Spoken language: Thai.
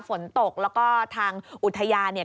ฝนตกแล้วก็ทางอุทยานเนี่ย